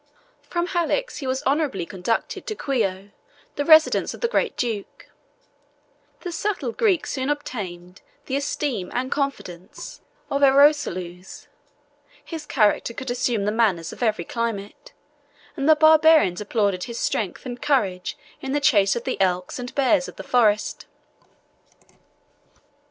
From Halicz he was honorably conducted to Kiow, the residence of the great duke: the subtle Greek soon obtained the esteem and confidence of Ieroslaus; his character could assume the manners of every climate; and the Barbarians applauded his strength and courage in the chase of the elks and bears of the forest.